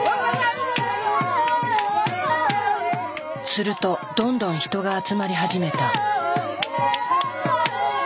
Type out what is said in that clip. するとどんどん人が集まり始めた。